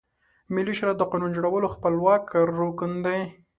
ملي شورا د قانون جوړولو خپلواکه رکن ده.